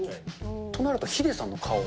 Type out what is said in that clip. となると、ヒデさんの顔。